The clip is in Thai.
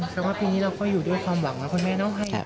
แต่ว่าปีนี้เราก็อยู่ด้วยความหวังนะคุณแม่เนาะ